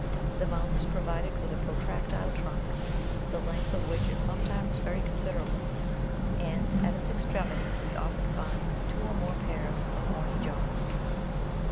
The mouth is provided with a protractile trunk, the length of which is sometimes very considerable, and at its extremity we often find two or more pairs of horny jaws.